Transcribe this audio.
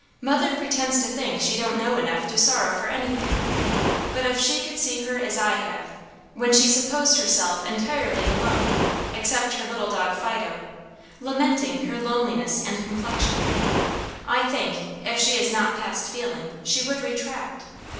Mother pretends to think she don't know enough to sorrow for anything; but if she could see her as I have, when she supposed herself entirely alone, except her little dog Fido, lamenting her loneliness and complexion, I think, if she is not past feeling, she would retract.